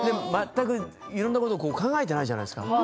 いろんなことを考えていないじゃないですか。